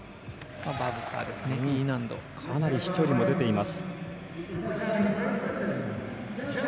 かなり飛距離も出ています。